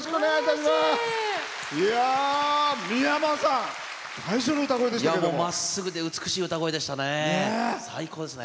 まっすぐで美しい歌声でしたね。